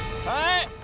はい。